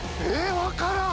分からん！